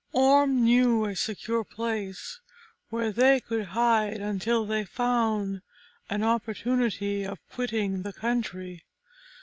Orm knew a secure place, where they could hide until they found an opportunity of quitting the country.